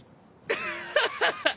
クハハハ！